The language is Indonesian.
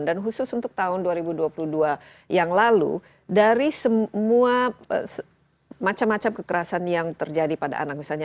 dan khusus untuk tahun dua ribu dua puluh dua yang lalu dari semua macam macam kekerasan yang terjadi pada anak misalnya